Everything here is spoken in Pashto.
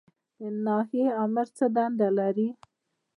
د ناحیې آمر څه دنده لري؟